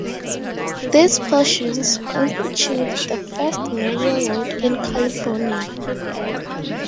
These portions constitute the first major road in California.